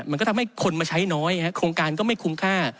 มันก็ทำให้คนมาใช้น้อยโครงการก็ไม่คุ้มค่า